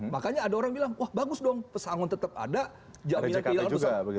makanya ada orang bilang wah bagus dong pesangon tetap ada jaminan kehilangan besar